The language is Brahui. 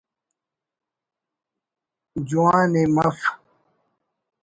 جوان ءِ مف